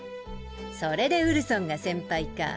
それでウルソンが先輩か。